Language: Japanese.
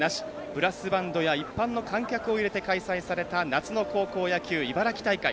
ブラスバンドや一般の観客を入れて開催された夏の高校野球茨城大会。